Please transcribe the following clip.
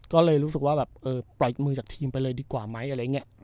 ก็เลยรู้สึกว่าแบบเออปล่อยมือจากทีมไปเลยดีกว่าไหมอะไรอย่างนี้